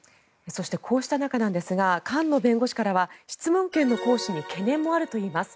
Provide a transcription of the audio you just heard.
そして、こうした中菅野弁護士からは質問権の行使に懸念もあるといいます。